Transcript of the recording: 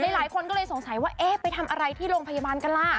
หลายคนก็เลยสงสัยว่าเอ๊ะไปทำอะไรที่โรงพยาบาลกันล่ะ